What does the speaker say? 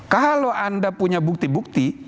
kalau anda punya bukti bukti